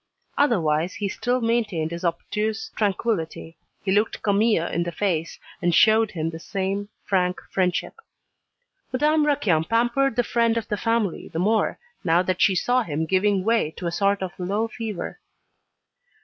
Otherwise, he still maintained his obtuse tranquillity, he looked Camille in the face, and showed him the same frank friendship. Madame Raquin pampered the friend of the family the more, now that she saw him giving way to a sort of low fever.